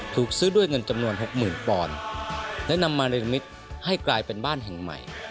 ถูกซื้อด้วยเงินจำนวนหกหมื่นปอนด์และนำมาในละมิตรให้กลายเป็นบ้านแห่งใหม่